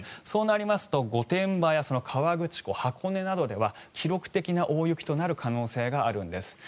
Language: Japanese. そうなりますと御殿場や河口湖箱根などでは記録的な大雪となる可能性があるんです。